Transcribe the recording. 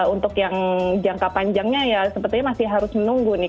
untuk yang jangka panjangnya ya sepertinya masih harus menunggu nih